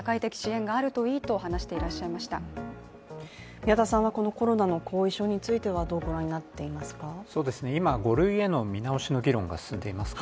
宮田さんはこのコロナの後遺症についてはどうご覧になっていますか？